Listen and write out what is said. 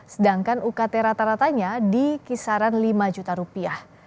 sedangkan ukt rata ratanya di kisaran lima juta rupiah